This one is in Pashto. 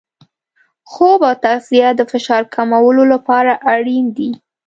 خوب او تغذیه د فشار کمولو لپاره اړین دي.